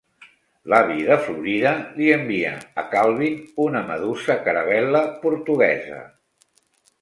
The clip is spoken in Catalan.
L'avi de Florida li envia a Calvin una medusa caravel·la portuguesa.